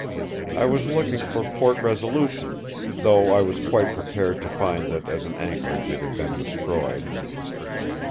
I was looking for Port Resolution, though I was quite prepared to find that as an anchorage, it had been destroyed.